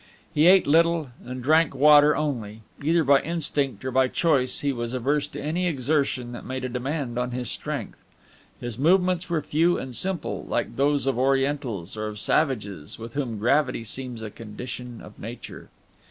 He ate little, and drank water only; either by instinct or by choice he was averse to any exertion that made a demand on his strength; his movements were few and simple, like those of Orientals or of savages, with whom gravity seems a condition of nature.